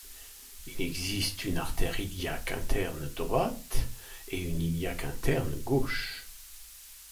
Il existe une artère iliaque interne droite et une iliaque interne gauche.